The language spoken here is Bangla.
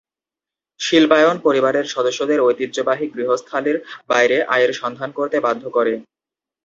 শিল্পায়ন পরিবারের সদস্যদের ঐতিহ্যবাহী গৃহস্থালির বাইরে আয়ের সন্ধান করতে বাধ্য করে।